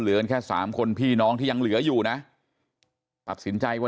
กันแค่สามคนพี่น้องที่ยังเหลืออยู่นะตัดสินใจว่า